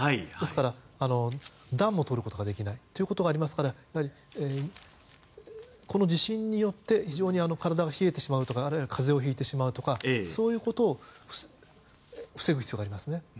ですから暖をとることができない。ということがありますからこの地震によって非常に体が冷えてしまうとかあるいは風邪をひいてしまうとかそういうことを防ぐ必要がありますね。